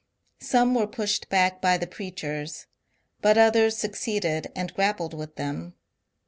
Some were pushed back by the preachers, but others succeeded and grappled with them.